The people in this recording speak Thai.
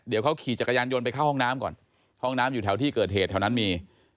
เดี๋ยวเขาขี่จักรยานยนต์ไปเข้าห้องน้ำก่อนห้องน้ำอยู่แถวที่เกิดเหตุแถวนั้นมี